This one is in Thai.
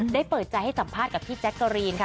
เปิดใจให้สัมภาษณ์กับพี่แจ๊กเกอรีนค่ะ